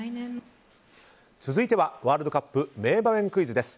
続いては、ワールドカップ名場面クイズです。